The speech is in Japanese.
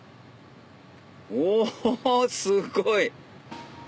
おすっごい！